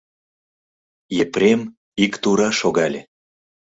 Епрем ик тура шогале.